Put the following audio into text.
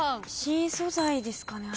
新素材ですかね。